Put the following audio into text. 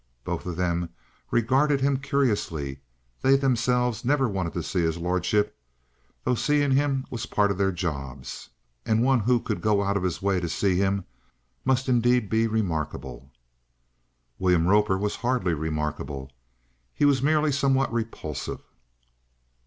Both of them regarded him curiously; they themselves never wanted to see his lordship, though seeing him was part of their jobs, and one who could go out of his way to see him must indeed be remarkable. William Roper was hardly remarkable. He was merely somewhat repulsive.